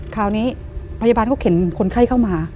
คราวนี้พยาบาลเขาเข็นคนไข้เข้ามา